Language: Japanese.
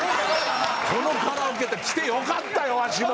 このカラオケ来てよかったよわしも。